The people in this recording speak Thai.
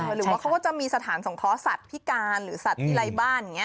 หรือว่าเขาก็จะมีสถานสงเคราะห์สัตว์พิการหรือสัตว์ที่ไร้บ้านอย่างนี้